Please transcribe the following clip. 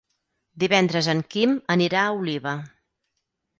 Divendres en Quim anirà a Oliva.